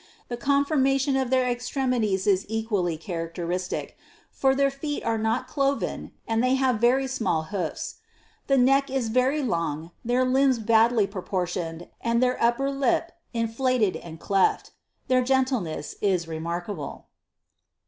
The conformation of their extremities is equally characteristic, for their feet are not cloven, and they have very small hoofs ; the neck is very long, their limbs badly proportioned, and their upper lip inflated and cleft. Their gentleness is remarkable.